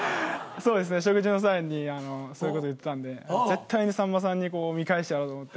そうですね食事の際にそういう事言ってたんで絶対にさんまさんにこう見返してやろうと思って。